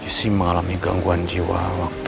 jessy mengalami gangguan jiwa waktu